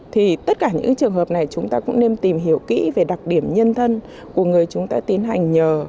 thì tất cả những trường hợp này chúng ta cũng nên tìm hiểu kỹ về đặc điểm nhân thân của người chúng ta tiến hành nhờ